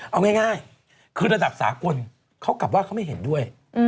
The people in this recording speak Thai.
เอาง่ายคือระดับสากลเขากลับว่าเขาไม่เห็นด้วย